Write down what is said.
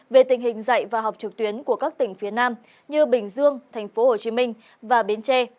về tình hình dạy và học trực tuyến của các tỉnh phía nam như bình dương tp hcm và bến tre